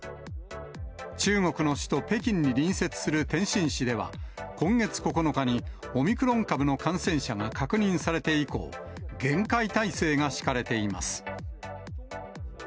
中国の首都北京に隣接する天津市では、今月９日にオミクロン株の感染者が確認されて以降、厳戒態勢が敷かれています。